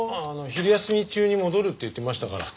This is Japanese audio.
昼休み中に戻るって言ってましたから。